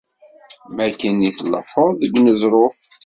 Mi akken i tleḥḥuḍ deg uneẓruf.